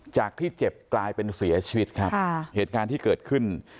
จากที่เจ็บกลายเป็นเสียชีวิตครับเหตุการณ์ที่เกิดขึ้น